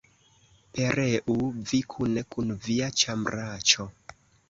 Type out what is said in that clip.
Pereu vi kune kun via ĉambraĉo!